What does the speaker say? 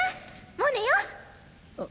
もう寝よ！